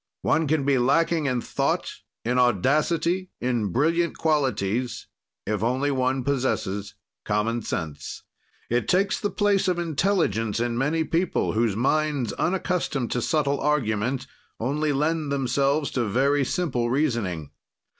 One can be lacking in thought, in audacity, in brilliant qualities, if only one possesses common sense. It takes the place of intelligence in many people, whose minds, unaccustomed to subtle argument, only lend themselves to very simple reasoning.